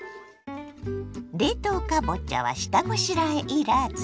冷凍かぼちゃは下ごしらえいらず。